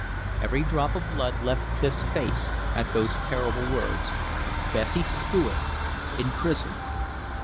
Every drop of blood left Clif's face at those terrible words. Bessie Stuart in prison!